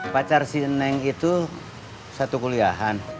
pacar si neng itu satu kuliahan